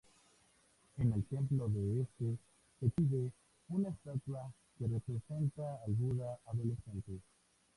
En el templo del este se exhibe una estatua que representa al Buda adolescente.